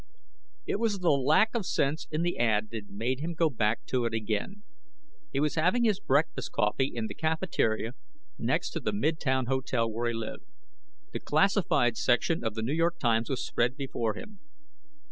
"_ It was the lack of sense in the ad that made him go back to it again. He was having his breakfast coffee in the cafeteria next to the midtown hotel where he lived. The classified section of the New York Times was spread before him.